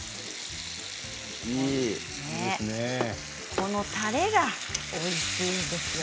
このたれがおいしいんですよ。